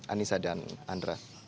anissa dan andra